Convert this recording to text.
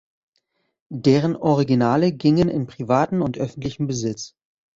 Deren Originale gingen in privaten und öffentlichen Besitz.